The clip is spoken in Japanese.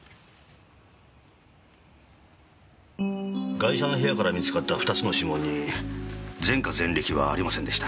ガイ者の部屋から見つかった２つの指紋に前科前歴はありませんでした。